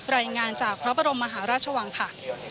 รายงานจากพระบรมมหาราชวังค่ะ